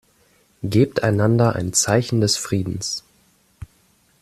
Gebt einander ein Zeichen des Friedens.